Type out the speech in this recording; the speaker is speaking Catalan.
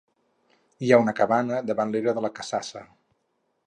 Hi ha una cabana davant l'era de la Casassa.